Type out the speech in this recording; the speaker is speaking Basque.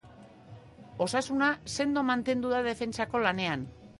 Osasuna sendo mantendu da defentsako lanean.